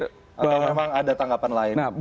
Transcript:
atau memang ada tanggapan lain